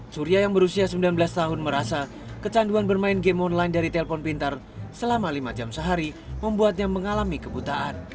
surya yang berusia sembilan belas tahun merasa kecanduan bermain game online dari telpon pintar selama lima jam sehari membuatnya mengalami kebutaan